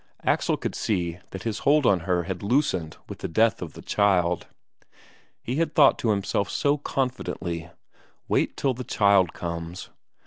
Axel could see that his hold on her had loosened with the death of the child. He had thought to himself so confidently: wait till the child comes!